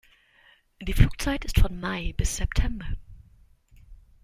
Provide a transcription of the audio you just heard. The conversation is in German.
Die Flugzeit ist von Mai bis September.